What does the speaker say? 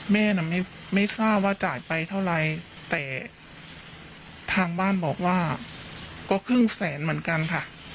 แม่น่ะไม่ทราบว่าจ่ายไปเท่าไรแต่ทางบ้านบอกว่าก็ครึ่งแสนเหมือนกันค่ะ